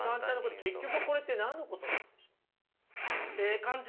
結局これって何のことなんでしょう？